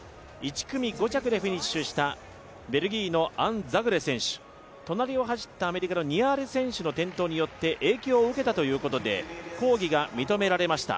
１組５着でフィニッシュしたベルギーのアン・ザグレ選手、隣を走ったアメリカの選手の転倒によって影響を受けたということで抗議が認められました。